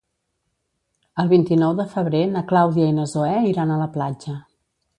El vint-i-nou de febrer na Clàudia i na Zoè iran a la platja.